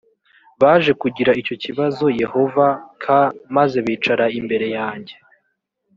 baje kugira icyo babaza yehova k maze bicara imbere yanjye